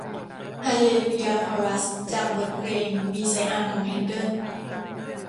ฮาลเลลูยาคอรัสจากบทเพลงมีไซอาห์ของแฮนเดิล